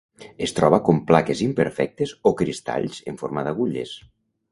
Es troba com plaques imperfectes o cristalls en forma d'agulles.